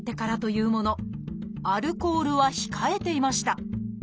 アルコールは控えていました。